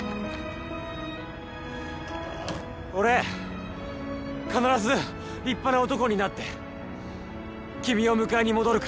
俺必ず立派な男になって君を迎えに戻るから。